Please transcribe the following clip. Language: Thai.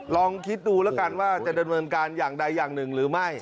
ลองคิดดูแล้วกันว่าจะดำเนินการอย่างใดอย่างหนึ่งหรือไม่